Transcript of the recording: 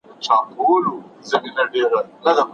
په ادارو کي باید د بډو اخیستل بند سي.